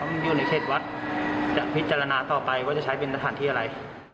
มันอยู่ในเขตวัดจะพิจารณาต่อไปว่าจะใช้เป็นสถานที่อะไร